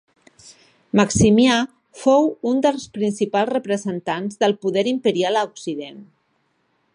Maximià fou un dels principals representants del poder imperial a Occident.